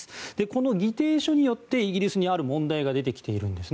この議定書によってイギリスにある問題が出てきているんです。